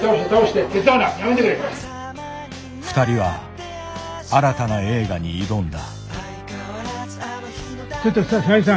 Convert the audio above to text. ふたりは新たな映画に挑んだ。